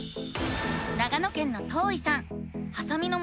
長野県のとういさん。